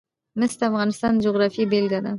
مس د افغانستان د جغرافیې بېلګه ده.